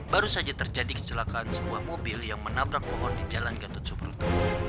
baru saja terjadi kecelakaan sebuah mobil yang menabrak pohon di jalan gatot subroto